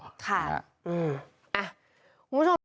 ถ้าจำไม่ผิดก็จะเป็น๑๐พฤษภาค่ะ